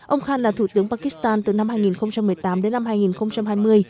ông khan là thủ tướng pakistan từ năm hai nghìn một mươi tám đến năm hai nghìn hai mươi